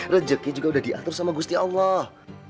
rezeki juga udah diatur sama gusti allah